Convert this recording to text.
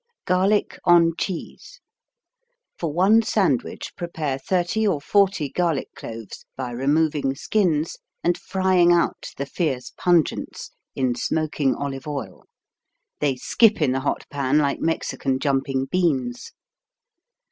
Garlic on Cheese For one sandwich prepare 30 or 40 garlic cloves by removing skins and frying out the fierce pungence in smoking olive oil. They skip in the hot pan like Mexican jumping beans.